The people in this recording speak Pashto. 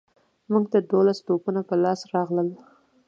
موږ ته دوولس توپونه په لاس راغلل.